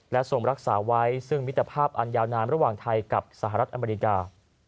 และส่งรักษาไว้ซึ่งมิตรภาพอันยาวนานระหว่างไทยกับสหรัฐอเมริกา